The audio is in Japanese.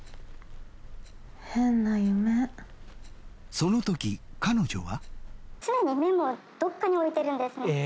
そのとき彼女は。